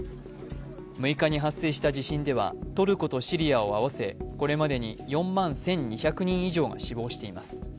６日に発生した地震では、トルコとシリアを合わせ、これまでに４万１２００人以上が死亡しています。